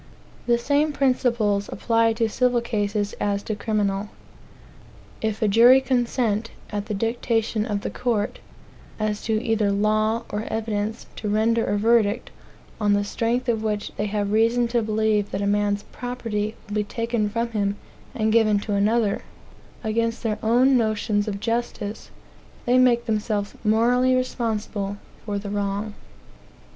The same principles apply to civil cases as to criminal. If a jury consent, at the dictation of the court, as to either law or evidence, to render a verdict, on the strength of which they have reason to believe that a man's property will be taken from him and given to another, against their own notions of justice, they make themselves morally responsible for the wrong.